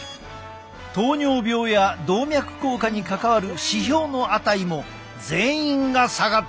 糖尿病や動脈硬化に関わる指標の値も全員が下がった。